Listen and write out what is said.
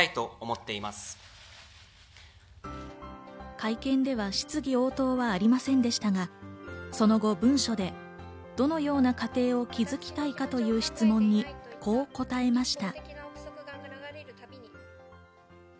会見では質疑応答はありませんでしたが、その後、文書でどのような家庭を築きたいかという質問にこう答えました。